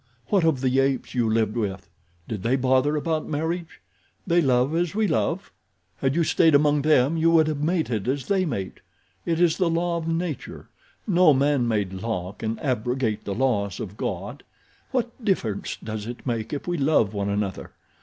What of the apes you lived with? Did they bother about marriage? They love as we love. Had you stayed among them you would have mated as they mate. It is the law of nature—no man made law can abrogate the laws of God. What difference does it make if we love one another?